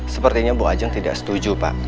sepertinya bu ajang tidak setuju pak